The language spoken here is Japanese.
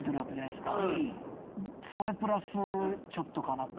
それプラスちょっとかなって。